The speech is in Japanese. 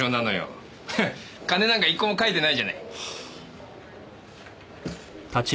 鐘なんか一個も描いてないじゃない。